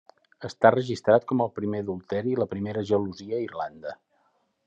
Està registrat com el primer adulteri i la primera gelosia a Irlanda.